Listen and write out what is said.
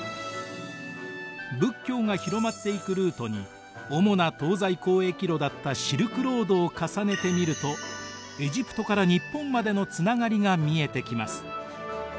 仏教が広まっていくルートに主な東西交易路だったシルクロードを重ねてみるとエジプトから日本までのつながりが見えてきます。